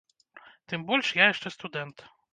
Тым больш, я яшчэ студэнт.